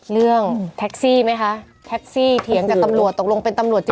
เรื่องแท็กซี่ไหมคะแท็กซี่เถียงกับตำรวจตกลงเป็นตำรวจจะ